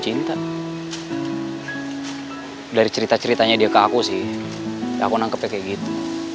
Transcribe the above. cinta dari cerita ceritanya dia ke aku sih aku nangkepnya kayak gitu